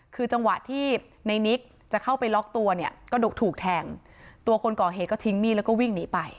คือจังหวะที่ในนิกจะเข้าไปล็อกตัวเนี่ยก็ถูกแทงตัวคนก่อเหตุก็ทิ้งมีดแล้วก็วิ่งหนีไป